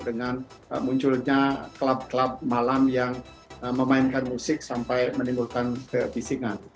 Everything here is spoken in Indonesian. dengan munculnya klub klub malam yang memainkan musik sampai menimbulkan kebisingan